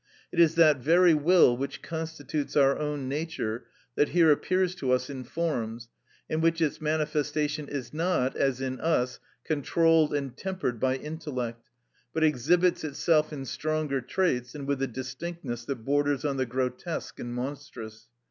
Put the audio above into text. It is that very will, which constitutes our own nature, that here appears to us in forms, in which its manifestation is not, as in us, controlled and tempered by intellect, but exhibits itself in stronger traits, and with a distinctness that borders on the grotesque and monstrous.